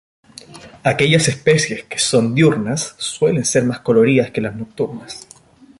Aquellas especies que son diurnas suelen ser más coloridas que las nocturnas.